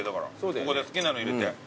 ここで好きなの入れて。